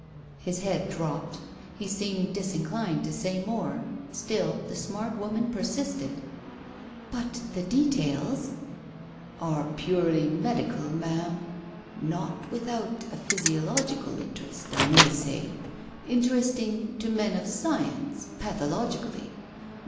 His head dropped. He seemed disinclined to say more. Still the smart woman persisted. "But the details ?" "Are purely medical, Ma'am. Not without a physio logical interest, I may say. Interesting to men of science, pathologically.